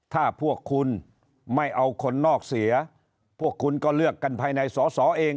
ถ้าพวกคุณไม่เอาคนนอกเสียพวกคุณก็เลือกกันภายในสอสอเอง